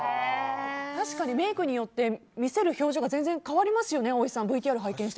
確かにメイクによって見せる表情が全然変わりますよね